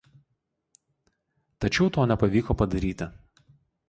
Tačiau to nepavyko padaryti.